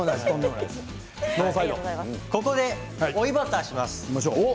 ここで追いバターします。